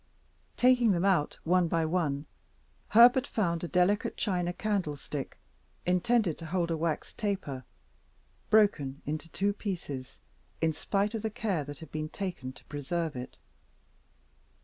Taking them out, one by one, Herbert found a delicate china candlestick (intended to hold a wax taper) broken into two pieces, in spite of the care that had been taken to preserve it.